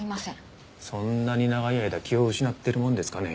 そんなに長い間気を失っているもんですかね。